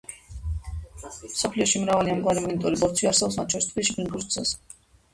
მსოფლიოში მრავალი ამგვარი მაგნიტური ბორცვი არსებობს მათ შორის თბილისში ფუნიკულიორის გზაზე.